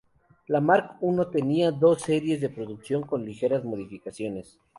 La Mark I tenía dos series de producción, con ligeras modificaciones.